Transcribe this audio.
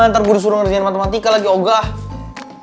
ntar gue disuruh ngerjain matematika lagi oh gak